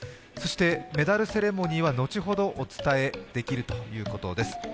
メダルセレモニーは後ほどお伝えできるということです。